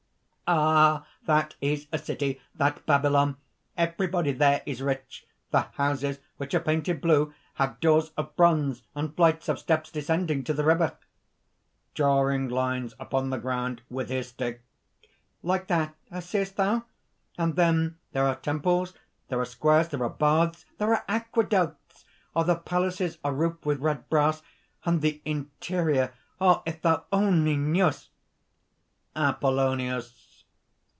"Ah! that is a city! that Babylon! everybody there is rich! The houses, which are painted blue, have doors of bronze, and flights of steps descending to the river." (Drawing lines upon the ground, with his stick:) "Like that, seest thou? And then there are temples, there are squares, there are baths, there are aqueducts! The palaces are roofed with red brass; and the interior ... ah! if thou only knewest!" APOLLONIUS.